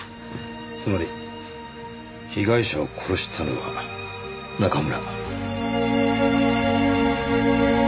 つまり被害者を殺したのは中村。